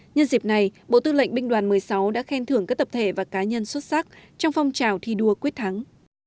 nhân dịp này bộ tư lệnh binh đoàn một mươi sáu đã khen thưởng các tập thể và cá nhân xuất sắc trong phong trào thi đua quyết thắng